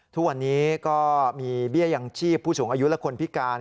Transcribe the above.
ทุกวันนี้ก็มีเบี้ยยังชีพผู้สูงอายุและคนพิการ